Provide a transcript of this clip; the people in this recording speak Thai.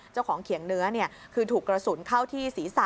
เขียงเนื้อคือถูกกระสุนเข้าที่ศีรษะ